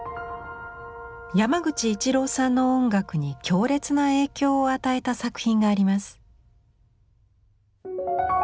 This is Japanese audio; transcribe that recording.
山口一郎さんの音楽に強烈な影響を与えた作品があります。